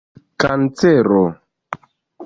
kancero